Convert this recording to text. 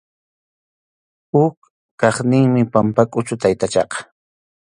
Huk kaqninmi Pampakʼuchu taytachaqa.